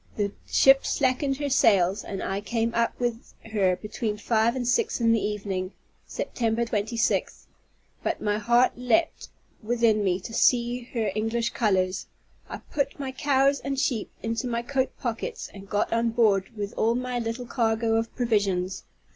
The ship slackened her sails, and I came up with her between five and six in the evening, September 26th; but my heart leaped within me to see her English colors. I put my cows and sheep into my coat pockets, and got on board with all my little cargo of provisions.